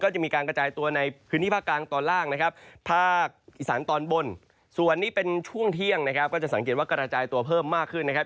ช่วงเที่ยงนะครับก็จะสังเกตว่ากระจายตัวเพิ่มมากขึ้นนะครับ